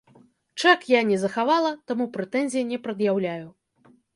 Чэк я не захавала, таму прэтэнзій не прад'яўляю.